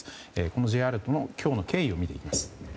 このＪアラートの今日の経緯を見ていきます。